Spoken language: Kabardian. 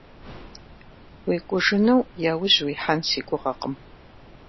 УекӀужыну яужь уихьэн си гугъэкъым.